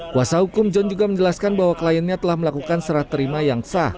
kuasa hukum john juga menjelaskan bahwa kliennya telah melakukan serah terima yang sah